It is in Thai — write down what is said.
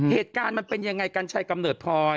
เหตุการณ์มันเป็นยังไงการใช้กรรมเนิดพลอย